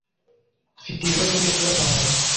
Mfite ibibazo byo kubaza Nkusi.